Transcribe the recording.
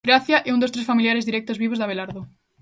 Gracia é un dos tres familiares directos vivos de Abelardo.